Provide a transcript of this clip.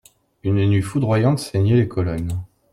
Une nue foudroyante ceignait les colonnes.